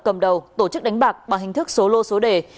cầm đầu tổ chức đánh bạc bằng hình thức số lô số đề